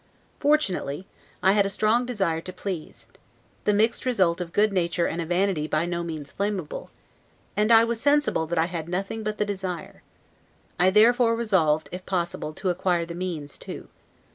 Fortunately, I had a strong desire to please (the mixed result of good nature and a vanity by no means blamable), and was sensible that I had nothing but the desire. I therefore resolved, if possible, to acquire the means, too.